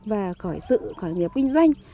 về khỏi sự khỏi nghiệp kinh doanh